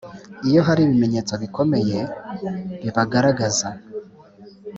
iyo hari ibimenyetso bikomeye bibigaragaza